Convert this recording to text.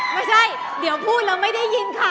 ไม่ใช่เดี๋ยวพูดแล้วไม่ได้ยินค่ะ